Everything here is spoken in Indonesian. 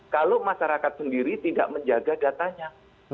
kalau masyarakat sendiri tidak menjaga datanya